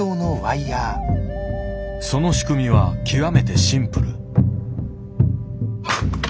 その仕組みは極めてシンプル。